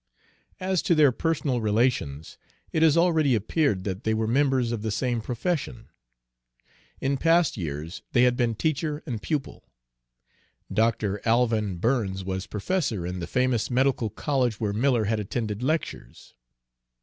As to their personal relations, it has already appeared that they were members of the same profession. In past years they had been teacher and pupil. Dr. Alvin Burns was professor in the famous medical college where Miller had attended lectures.